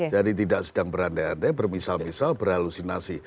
jadi tidak sedang beranda anda bermisal misal berhalusinasi